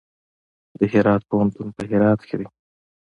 د هرات پوهنتون په هرات کې دی